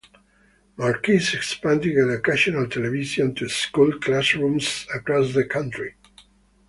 Marquis expanded educational television to school classrooms across the country.